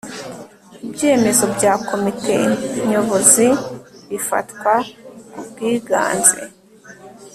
ibyemezo bya komite nyobozi bifatwa ku bwiganze